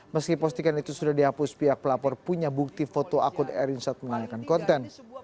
meski postikan itu sudah dihapus pihak pelapor punya bukti foto akun erin saat menanyakan konten